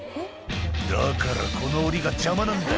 「だからこの檻が邪魔なんだよ」